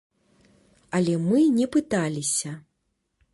Але мы не пыталіся.